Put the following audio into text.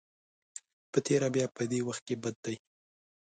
په تېره بیا په دې وخت کې بد دی.